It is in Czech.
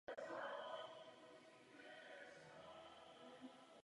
Doufám proto, že toto obnovení přinese prospěch oběma stranám.